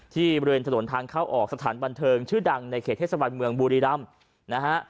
บริเวณถนนทางเข้าออกสถานบันเทิงชื่อดังในเขตเทศบาลเมืองบุรีรำนะฮะ